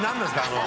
あの。